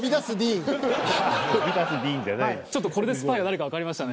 ちょっとこれでスパイがわかった！？